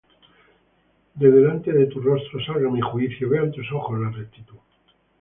De delante de tu rostro salga mi juicio; Vean tus ojos la rectitud.